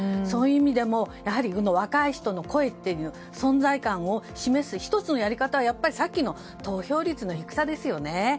そういう意味でもやはり若い人の声っていう存在感を示す１つのやり方はやっぱりさっきの投票率の低さですよね。